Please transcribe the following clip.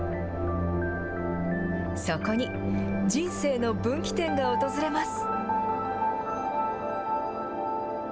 そこに、人生の分岐点が訪れます。